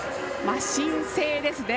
新星ですね。